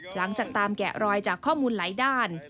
หลังจากตามแกะรอยจากข้อมูลหลายด้าน